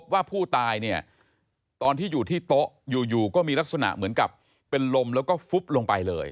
ว่าผู้ตายเนี่ยตอนที่อยู่ที่โต๊ะอยู่ก็มีลักษณะเหมือนกับเป็นลมแล้วก็ฟุบลงไปเลย